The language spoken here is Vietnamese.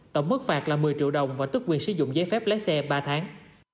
tổng mức phạt là một mươi triệu đồng và tức quyền sử dụng giấy phép lái xe ba tháng